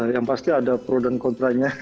yang pasti ada pro dan kontranya